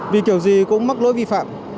vì kiểu gì cũng mắc lỗi vi phạm